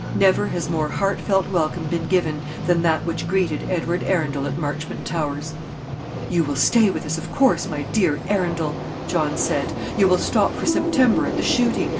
Never has more heartfelt welcome been given than that which greeted Edward Arundel at Marchmont Towers. "You will stay with us, of course, my dear Arundel," John said; "you will stop for September and the shooting.